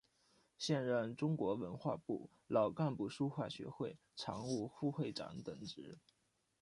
现任中国文化部老干部书画学会常务副会长等职。